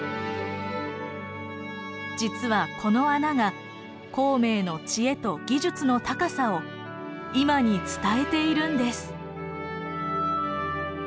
実はこの穴が孔明の知恵と技術の高さを今に伝えているんです。